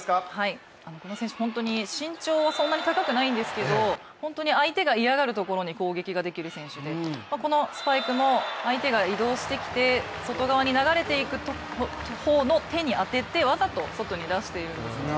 この選手、本当に身長はそんなに高くないんですけど相手が嫌がるところに攻撃ができる選手でこのスパイクも相手が移動してきて、外側に流れていく方の手に当ててわざと外に出しているんですね。